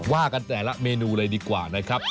ว่ากันแต่ละเมนูเลยดีกว่านะครับ